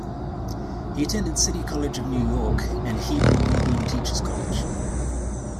He attended City College of New York and Hebrew Union Teachers College.